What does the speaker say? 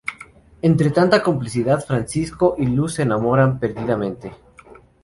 Entre tanta complicidad, Francisco y Luz se enamoran perdidamente.